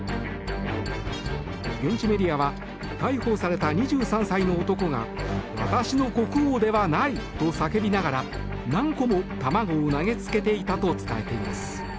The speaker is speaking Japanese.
現地メディアは逮捕された２３歳の男が私の国王ではないと叫びながら何個も卵を投げつけていたと伝えています。